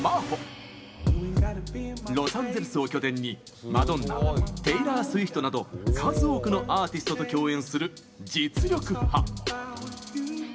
ロサンゼルスを拠点にマドンナテイラー・スウィフトなど数多くのアーティストと共演する実力派。